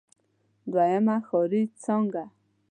دويمه ښاري څانګه.